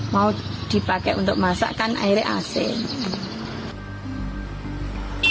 mau dipakai untuk masakan airnya asing